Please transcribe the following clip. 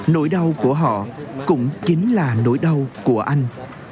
nỗi đau của họ cũng chính là nỗi đau của anh